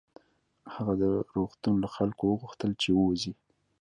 هغه د روغتون له خلکو وغوښتل چې ووځي